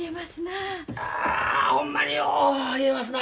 あほんまによう冷えますな。